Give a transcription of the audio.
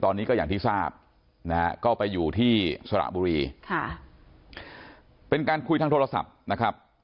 เป็นการคุยทางโทรศัพท์นะครับแม่บอกว่านอนไม่หลับทั้งคืนเลย